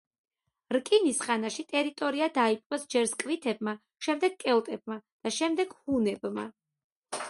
რკინის ხანაში, ტერიტორია დაიპყრეს ჯერ სკვითებმა, შემდეგ კელტებმა და შემდეგ ჰუნებმა.